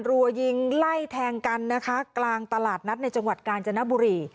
รัวยิงไล่แทงกันนะคะกลางตลาดนัดในจังหวัดกาญจนบุรี